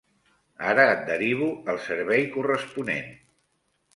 Ara et derivo al servei corresponent.